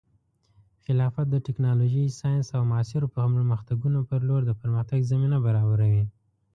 خلافت د ټیکنالوژۍ، ساینس، او معاصرو پرمختګونو په لور د پرمختګ زمینه برابروي.